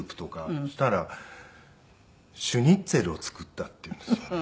そしたら「シュニッツェルを作った」って言うんですよ。